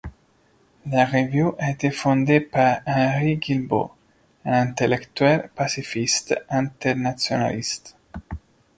La revue a été fondée par Henri Guilbeaux, un intellectuel pacifiste internationaliste.